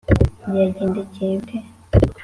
byagendekeye bite alī?